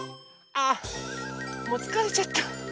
あもうつかれちゃった。